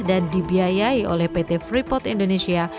dibiayai oleh pt freeport indonesia